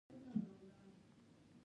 یانګلي واک ته ورسېد.